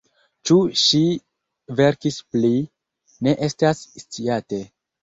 Ĉu ŝi verkis pli, ne estas sciate.